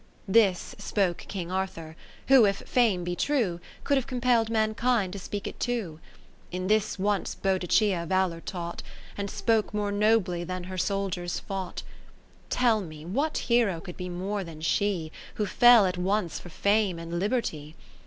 This spoke King Arthur, who, if Fame be true, Could have compell'd mankind to speak it too. In this once Boadicca^ valour taught, And spoke more nobly than her soldiers fought : Tell me what hero could be more than she. Who fell at once for Fame and Liberty